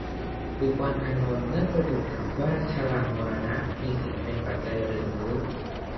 ดูกรอานนท์ เมื่อเธอถูกถามว่า ชรามรณะ มีสิ่งเป็นปัจจัยหรือ